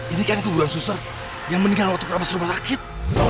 ini kan kuburan susur yang mendingan waktu keramas rumah sakit